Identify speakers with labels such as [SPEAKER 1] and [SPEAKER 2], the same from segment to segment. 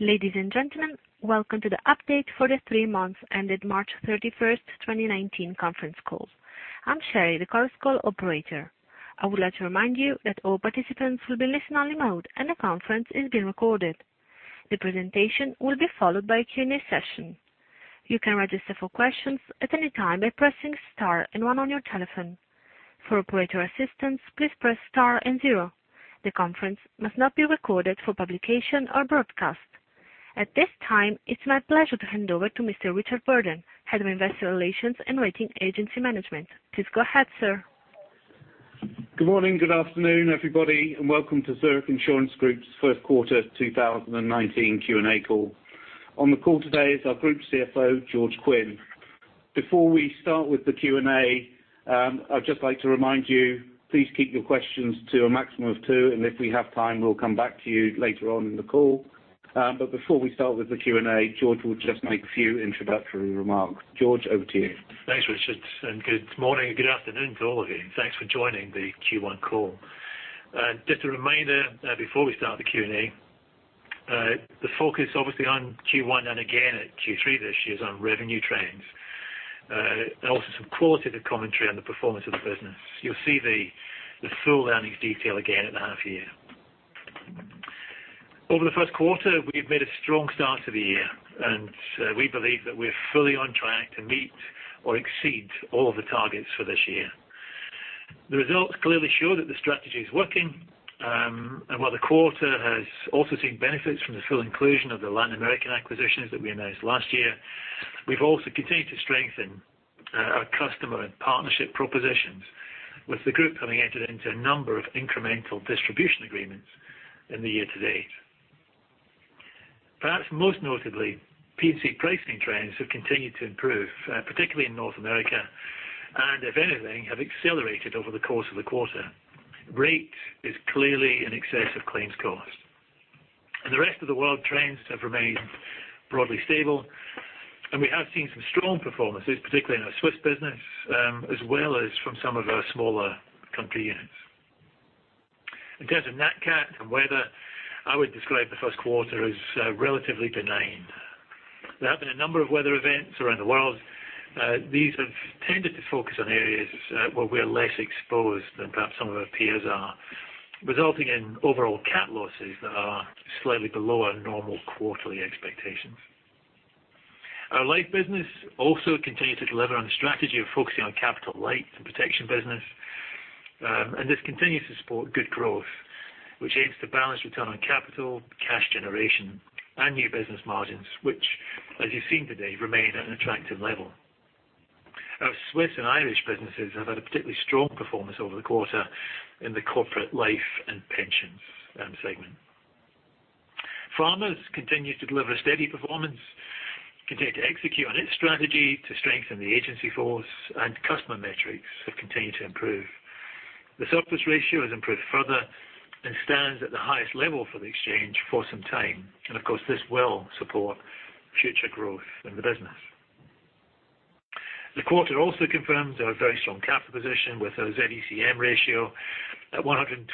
[SPEAKER 1] Ladies and gentlemen, welcome to the update for the three months ended March 31st, 2019 conference call. I'm Sherry, the conference call operator. I would like to remind you that all participants will be in listen-only mode, and the conference is being recorded. The presentation will be followed by a Q&A session. You can register for questions at any time by pressing star and one on your telephone. For operator assistance, please press star and zero. The conference must not be recorded for publication or broadcast. At this time, it's my pleasure to hand over to Mr. Richard Burden, Head of Investor Relations and Rating Agency Management. Please go ahead, sir.
[SPEAKER 2] Good morning, good afternoon, everybody, and welcome to Zurich Insurance Group's first quarter 2019 Q&A call. On the call today is our Group Chief Financial Officer, George Quinn. Before we start with the Q&A, I'd just like to remind you, please keep your questions to a maximum of two, and if we have time, we'll come back to you later on in the call. Before we start with the Q&A, George will just make a few introductory remarks. George, over to you.
[SPEAKER 3] Thanks, Richard, good morning, good afternoon to all of you. Thanks for joining the Q1 call. Just a reminder, before we start the Q&A, the focus obviously on Q1 and again at Q3 this year is on revenue trends, also some qualitative commentary on the performance of the business. You'll see the full earnings detail again at the half year. Over the first quarter, we've made a strong start to the year, we believe that we're fully on track to meet or exceed all the targets for this year. The results clearly show that the strategy is working, while the quarter has also seen benefits from the full inclusion of the Latin American acquisitions that we announced last year, we've also continued to strengthen our customer and partnership propositions with the group having entered into a number of incremental distribution agreements in the year to date. Perhaps most notably, P&C pricing trends have continued to improve, particularly in North America, if anything, have accelerated over the course of the quarter. Rate is clearly in excess of claims cost. In the rest of the world, trends have remained broadly stable, we have seen some strong performances, particularly in our Swiss business, as well as from some of our smaller country units. In terms of Nat Cat and weather, I would describe the first quarter as relatively benign. There have been a number of weather events around the world. These have tended to focus on areas where we're less exposed than perhaps some of our peers are, resulting in overall cat losses that are slightly below our normal quarterly expectations. Our life business also continues to deliver on the strategy of focusing on capital light and protection business. This continues to support good growth, which aims to balance return on capital, cash generation, and new business margins, which, as you've seen today, remain at an attractive level. Our Swiss and Irish businesses have had a particularly strong performance over the quarter in the corporate life and pensions segment. Farmers continues to deliver a steady performance, continue to execute on its strategy to strengthen the agency force, and customer metrics have continued to improve. The surplus ratio has improved further and stands at the highest level for the exchange for some time. Of course, this will support future growth in the business. The quarter also confirms our very strong capital position with our Z-ECM ratio at 125%,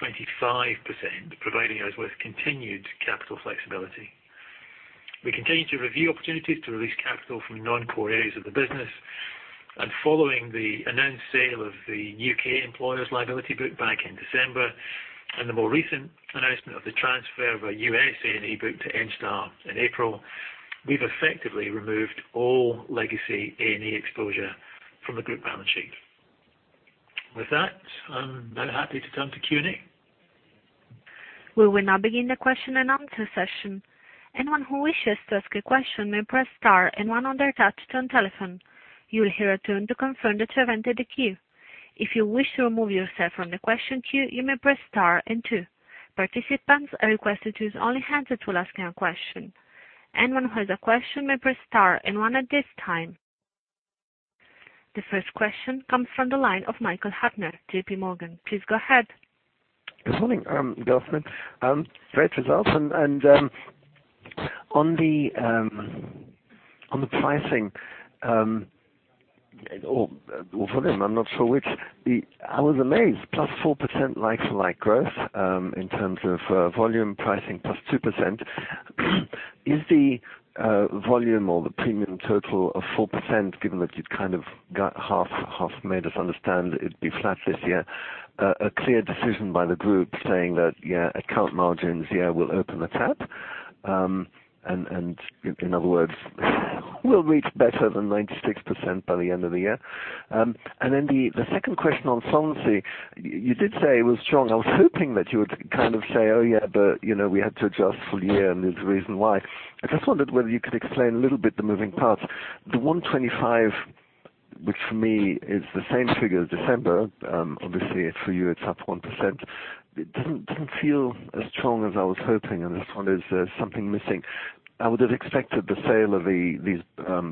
[SPEAKER 3] providing us with continued capital flexibility. We continue to review opportunities to release capital from non-core areas of the business, following the announced sale of the U.K. employers' liability book back in December, and the more recent announcement of the transfer of our USAA book to Enstar in April, we've effectively removed all legacy A&E exposure from the group balance sheet. With that, I'm now happy to turn to Q&A.
[SPEAKER 1] We will now begin the question and answer session. Anyone who wishes to ask a question may press star and one on their touchtone telephone. You will hear a tone to confirm that you have entered the queue. If you wish to remove yourself from the question queue, you may press star and two. Participants are requested to use only hands that will ask a question. Anyone who has a question may press star and one at this time. The first question comes from the line of Michael Huttner, JPMorgan. Please go ahead.
[SPEAKER 4] Good morning. Good afternoon. Great results. On the pricing, or volume, I'm not sure which. I was amazed, +4% like-to-like growth, in terms of volume pricing, +2%. Is the volume or the premium total of 4%, given that you'd kind of half made us understand it'd be flat this year, a clear decision by the group saying that, yeah, account margins, yeah, we'll open the tap, and in other words, we'll reach better than 96% by the end of the year? Then the second question on Solvency. You did say it was strong. I was hoping that you would kind of say, "Oh, yeah, but we had to adjust full year, and there's a reason why." I just wondered whether you could explain a little bit the moving parts. The 125%, which for me is the same figure as December, obviously for you it's up 1%. It didn't feel as strong as I was hoping. I just wonder if there's something missing. I would have expected the sale of these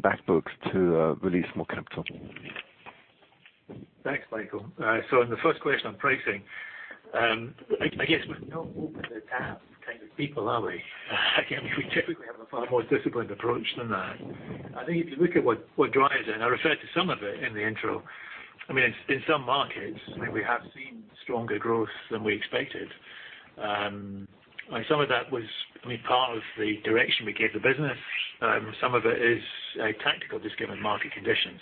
[SPEAKER 4] back books to release more capital.
[SPEAKER 3] Thanks, Michael. In the first question on pricing, I guess we're not open the tap kind of people, are we? We typically have a far more disciplined approach than that. I think if you look at what drives it, I referred to some of it in the intro. In some markets, we have seen stronger growth than we expected. Some of that was part of the direction we gave the business. Some of it is tactical, just given market conditions.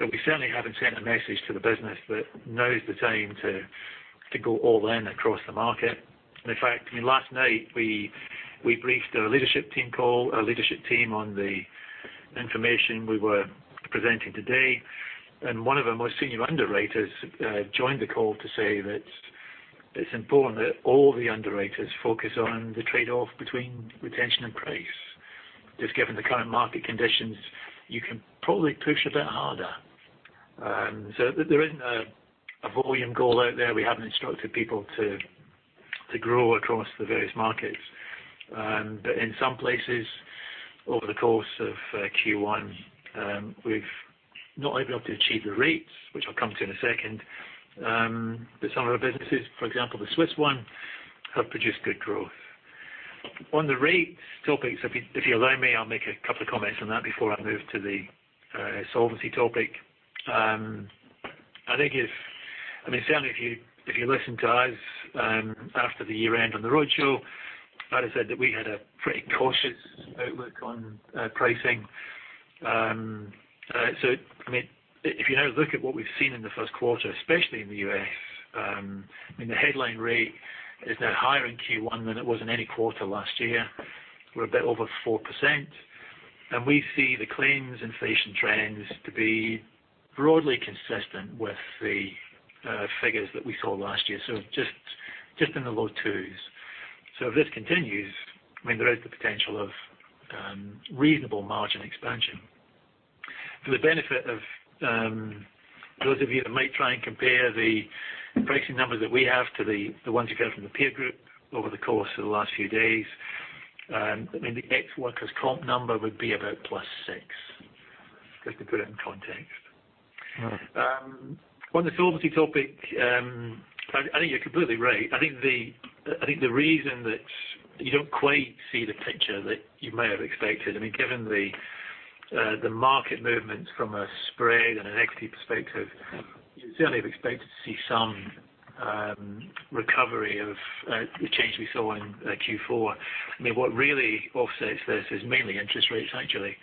[SPEAKER 3] We certainly haven't sent a message to the business that now is the time to go all in across the market. In fact, last night, we briefed our leadership team on the information we were presenting today, one of our most senior underwriters joined the call to say that it's important that all the underwriters focus on the trade-off between retention and price. Just given the current market conditions, you can probably push a bit harder. There isn't a volume goal out there. We haven't instructed people to grow across the various markets. In some places over the course of Q1, we've not only been able to achieve the rates, which I'll come to in a second, but some of the businesses, for example, the Swiss one, have produced good growth. On the rates topics, if you allow me, I'll make a couple of comments on that before I move to the solvency topic. Certainly if you listened to us after the year end on the road show, I'd have said that we had a pretty cautious outlook on pricing. If you now look at what we've seen in the first quarter, especially in the U.S., the headline rate is now higher in Q1 than it was in any quarter last year. We're a bit over 4%. We see the claims inflation trends to be broadly consistent with the figures that we saw last year, just in the low twos. If this continues, there is the potential of reasonable margin expansion. For the benefit of those of you that might try and compare the pricing numbers that we have to the ones you get from the peer group over the course of the last few days, the ex workers' comp number would be about +6, just to put it in context.
[SPEAKER 4] All right.
[SPEAKER 3] On the solvency topic, I think you're completely right. I think the reason that you don't quite see the picture that you may have expected, given the market movements from a spread and an equity perspective, you certainly have expected to see some recovery of the change we saw in Q4. What really offsets this is mainly interest rates, actually.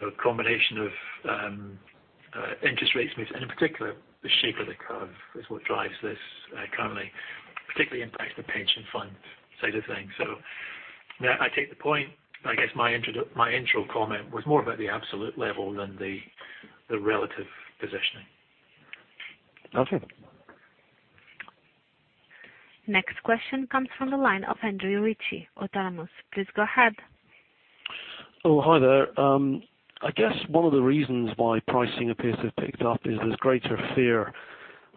[SPEAKER 3] A combination of interest rates moves and in particular, the shape of the curve is what drives this currently, particularly impacts the pension fund side of things. I take the point. I guess my intro comment was more about the absolute level than the relative positioning.
[SPEAKER 4] Okay.
[SPEAKER 1] Next question comes from the line of Andrew Ritchie, Autonomous. Please go ahead.
[SPEAKER 5] Hi there. I guess one of the reasons why pricing appears to have picked up is there's greater fear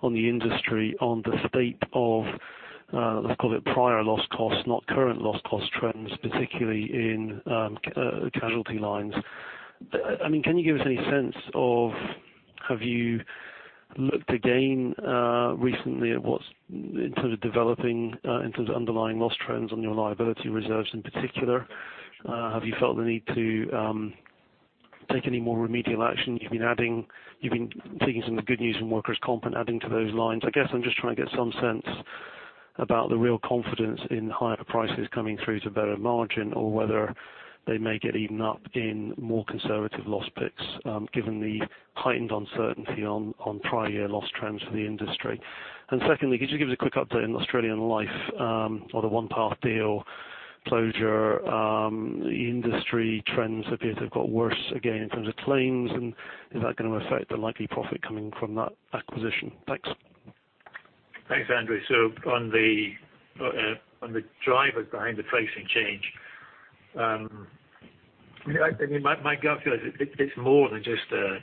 [SPEAKER 5] on the industry on the state of, let's call it, prior loss costs, not current loss cost trends, particularly in casualty lines. Can you give us any sense of, have you looked again recently at what's in sort of developing in terms of underlying loss trends on your liability reserves in particular? Have you felt the need to take any more remedial action? You've been taking some of the good news from workers' comp and adding to those lines. I guess I'm just trying to get some sense about the real confidence in higher prices coming through to better margin or whether they may get eaten up in more conservative loss picks, given the heightened uncertainty on prior year loss trends for the industry. Could you give us a quick update on Australian Life? On the OnePath deal closure. Industry trends appear to have got worse again in terms of claims, and is that going to affect the likely profit coming from that acquisition? Thanks.
[SPEAKER 3] Thanks, Andrew. On the drivers behind the pricing change, my gut feel is it's more than just a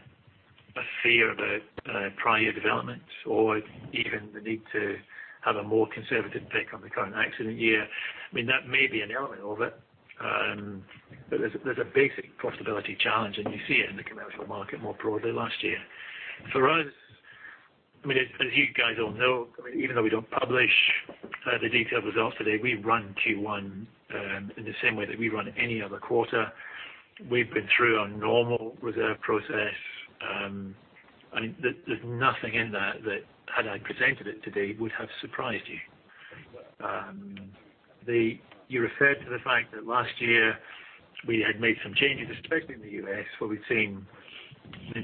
[SPEAKER 3] fear about prior developments or even the need to have a more conservative pick on the current accident year. That may be an element of it. There's a basic profitability challenge, and you see it in the commercial market more broadly last year. For us, as you guys all know, even though we don't publish the detailed results today, we run Q1 in the same way that we run any other quarter. We've been through our normal reserve process. There's nothing in there that, had I presented it today, would have surprised you. You referred to the fact that last year we had made some changes, especially in the U.S., where we've seen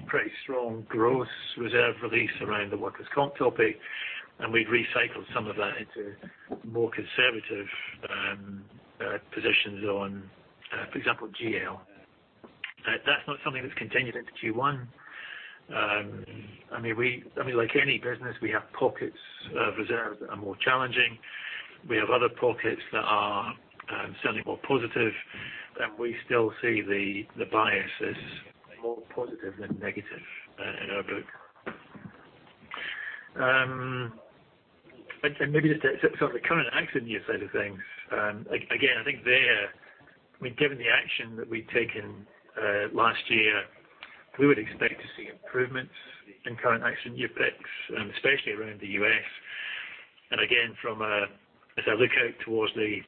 [SPEAKER 3] pretty strong growth reserve release around the workers' comp topic, and we'd recycled some of that into more conservative positions on, for example, GL. That's not something that's continued into Q1. Like any business, we have pockets of reserves that are more challenging. We have other pockets that are certainly more positive, and we still see the bias as more positive than negative in our book. Maybe just on the current accident year side of things. Again, I think there, given the action that we'd taken last year, we would expect to see improvements in current accident year picks, especially around the U.S. Again, as I look out towards the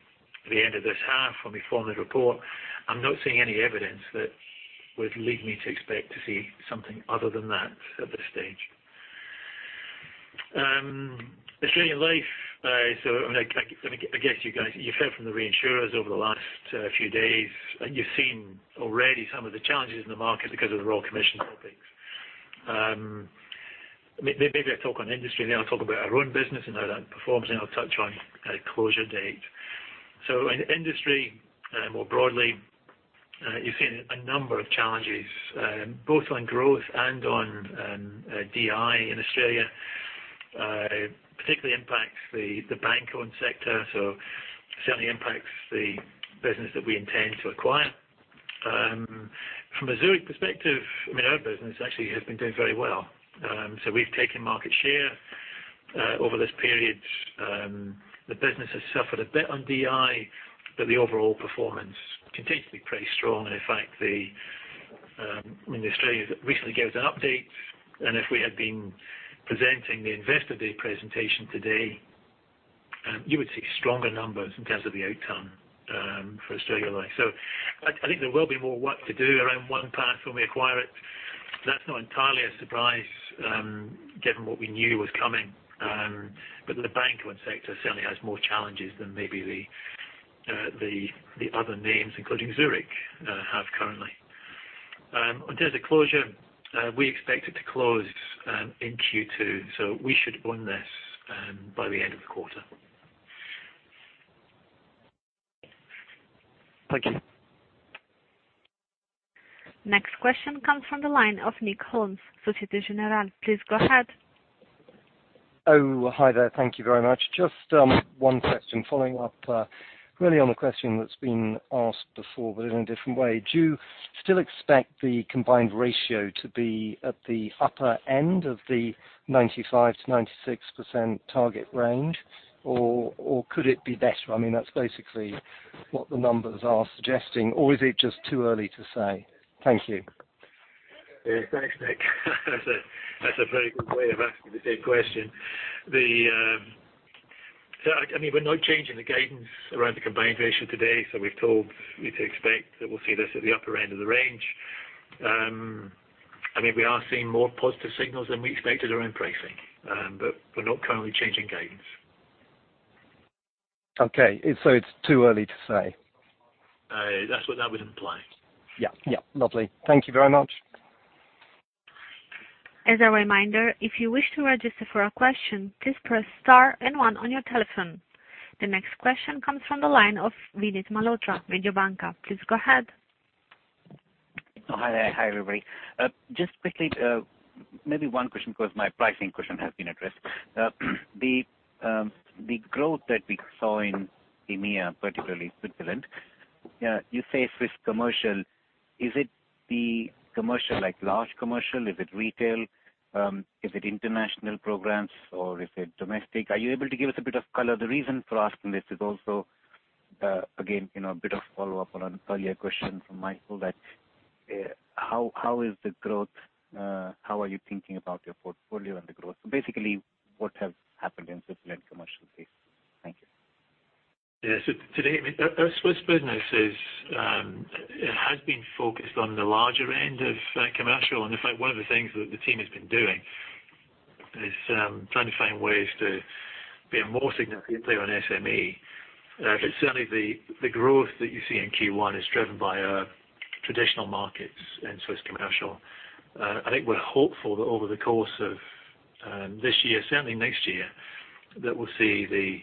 [SPEAKER 3] end of this half when we file the report, I'm not seeing any evidence that would lead me to expect to see something other than that at this stage. Australian Life, I guess you guys, you've heard from the reinsurers over the last few days, and you've seen already some of the challenges in the market because of the Royal Commission hearings. Maybe I talk on industry, then I'll talk about our own business and how that performs, and then I'll touch on closure date. In industry, more broadly, you've seen a number of challenges, both on growth and on DI in Australia. Particularly impacts the bank-owned sector, so certainly impacts the business that we intend to acquire. From a Zurich perspective, our business actually has been doing very well. We've taken market share over this period. The business has suffered a bit on DI, but the overall performance continues to be pretty strong. In fact, when Australia recently gave an update, and if we had been presenting the investor day presentation today, you would see stronger numbers in terms of the outcome for Australian Life. I think there will be more work to do around OnePath when we acquire it. That's not entirely a surprise, given what we knew was coming. The bank-owned sector certainly has more challenges than maybe the other names, including Zurich have currently. In terms of closure, we expect it to close in Q2, so we should own this by the end of the quarter.
[SPEAKER 5] Thank you.
[SPEAKER 1] Next question comes from the line of Nick Holmes, Societe Generale. Please go ahead.
[SPEAKER 6] Hi there. Thank you very much. Just one question following up really on the question that's been asked before, but in a different way. Do you still expect the combined ratio to be at the upper end of the 95%-96% target range? Could it be better? That's basically what the numbers are suggesting. Is it just too early to say? Thank you.
[SPEAKER 3] Yes, thanks, Nick. That's a very good way of asking the same question. We're not changing the guidance around the combined ratio today. We've told you to expect that we'll see this at the upper end of the range. We are seeing more positive signals than we expected around pricing. We're not currently changing guidance.
[SPEAKER 6] Okay. It's too early to say.
[SPEAKER 3] That's what that would imply.
[SPEAKER 6] Yeah. Lovely. Thank you very much.
[SPEAKER 1] As a reminder, if you wish to register for a question, please press star and one on your telephone. The next question comes from the line of Vinit Malhotra, Mediobanca. Please go ahead.
[SPEAKER 7] Hi there. Hi, everybody. Just quickly, maybe one question because my pricing question has been addressed. The growth that we saw in EMEA, particularly Switzerland, you say Swiss commercial. Is it the commercial like large commercial? Is it retail? Is it international programs, or is it domestic? Are you able to give us a bit of color? The reason for asking this is also, again, a bit of a follow-up on an earlier question from Michael that how is the growth, how are you thinking about your portfolio and the growth? Basically, what has happened in Switzerland commercial space? Thank you.
[SPEAKER 3] Yes. Today, our Swiss business has been focused on the larger end of commercial. In fact, one of the things that the team has been doing is trying to find ways to be a more significant player on SME. Certainly, the growth that you see in Q1 is driven by our traditional markets in Swiss commercial. I think we're hopeful that over the course of this year, certainly next year, that we'll see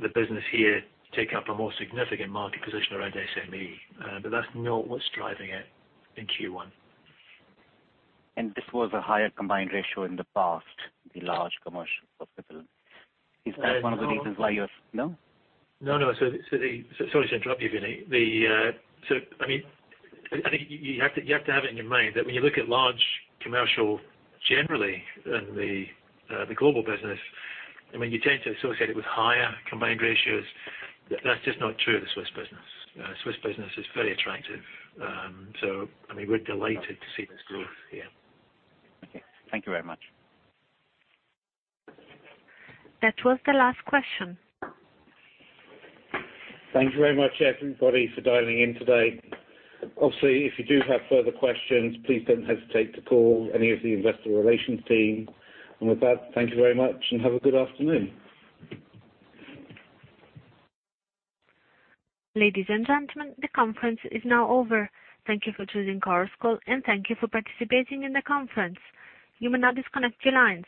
[SPEAKER 3] the business here take up a more significant market position around SME. That's not what's driving it in Q1.
[SPEAKER 7] This was a higher combined ratio in the past, the large commercial portfolio. Is that one of the reasons why you're No?
[SPEAKER 3] No. Sorry to interrupt you, Vinit. I think you have to have it in your mind that when you look at large commercial generally in the global business, you tend to associate it with higher combined ratios. That's just not true of the Swiss business. Swiss business is very attractive. We're delighted to see this growth here.
[SPEAKER 7] Okay. Thank you very much.
[SPEAKER 1] That was the last question.
[SPEAKER 3] Thank you very much, everybody, for dialing in today. Obviously, if you do have further questions, please don't hesitate to call any of the investor relations team. With that, thank you very much and have a good afternoon.
[SPEAKER 1] Ladies and gentlemen, the conference is now over. Thank you for choosing Chorus Call, and thank you for participating in the conference. You may now disconnect your lines.